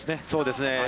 そうですね。